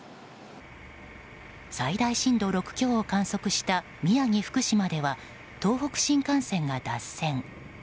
最大震度６強を観測した宮城、福島では東北新幹線が脱線。